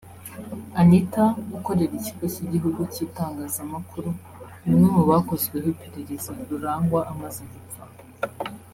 Anita ukorera Ikigo cy’Igihugu cy’Itangazamakuru ni umwe mu bakozweho iperereza Rurangwa amaze gupfa